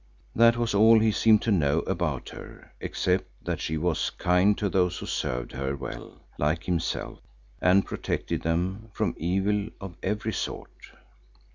That was all he seemed to know about her, except that she was kind to those who served her well, like himself, and protected them from evil of every sort.